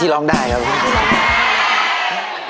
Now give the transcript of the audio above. ที่ร้องได้ครับ